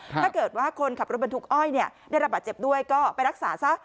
ถ้าเกิดว่าคนขับรถบรรทุกอ้อยได้ระบาดเจ็บด้วยก็ไปรักษาซะ